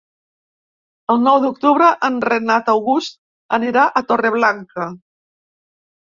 El nou d'octubre en Renat August anirà a Torreblanca.